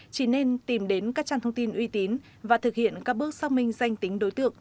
chỉ nên tìm đến các trang thông tin uy tín và thực hiện các bước xác minh danh tính đối tượng